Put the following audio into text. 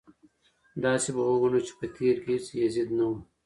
داسې به وګڼو چې په تېر کې هېڅ یزید نه و.